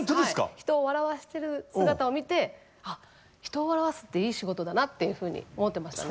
人を笑わしてる姿を見てあ人を笑わすっていい仕事だなっていうふうに思ってましたね。